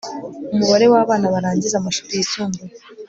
Umubare w abana barangiza amashuri yisumbuye